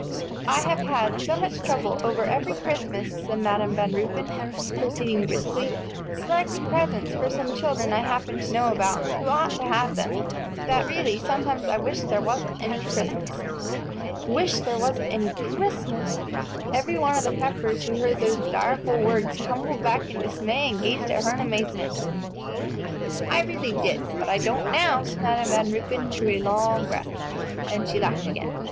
"I have had so much trouble over every Christmas," said Madam Van Ruypen, proceeding briskly, "selecting presents for some children I happen to know about, who ought to have them, that really I sometimes wish there wasn't any Christmas." Wish there wasn't any Christmas! Every one of the Peppers who heard those direful words tumbled back in dismay and gazed at her in amazement. "I really did, but I don't now!" Madam Van Ruypen drew a long breath, then she laughed again.